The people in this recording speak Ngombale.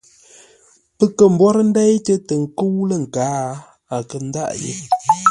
Pə́ kə̂ mbwórə́ ndéitə́ tə nkə́u lə̂ nkǎa, a kə̂ ndâʼ yé.